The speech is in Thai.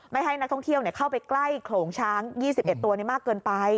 ให้นักท่องเที่ยวเข้าไปใกล้โขลงช้าง๒๑ตัวมากเกินไป